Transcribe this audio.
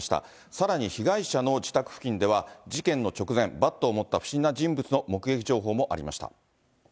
さらに被害者の自宅付近では、事件の直前、バットを持った不審な人物の目撃情報もありました。